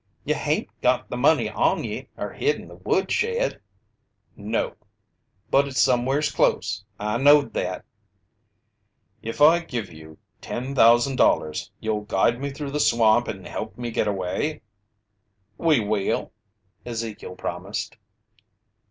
"Ye hain't got the money on ye or hid in the woodshed!" "No." "But it's somewheres close. I knowed that." "If I give you $10,000, you'll guide me through the swamp and help me get away?" "We will," Ezekiel promised.